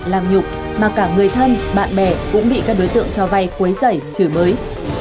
làm nhục mà cả người thân bạn bè cũng bị các đối tượng cho vay cuối giải chửi bới